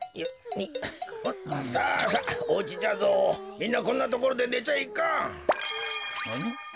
みんなこんなところでねちゃいかん。